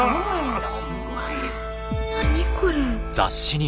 何これ。